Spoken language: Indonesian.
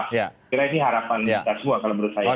kira ini harapan dari saya kalau menurut saya